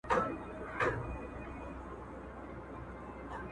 دغه زما غیور ولس دی`